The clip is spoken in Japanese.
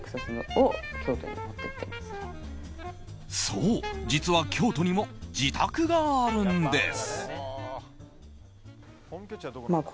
そう、実は京都にも自宅があるんです。